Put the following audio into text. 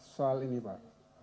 soal ini pak